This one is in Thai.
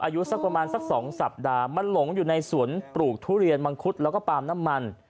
อายุสักประมาณสัก๒สัปดาห์มันหลงอยู่ในสวนปลูกทุเรียนมังคุดแล้วก็ปาล์มน้ำมัน